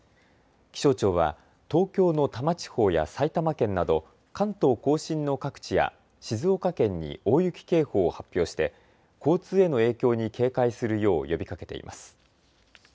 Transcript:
気象庁は東京の多摩地方や埼玉県など関東甲信の各地や静岡県に大雪警報を発表して交通への影響に警戒するよう呼びかけています。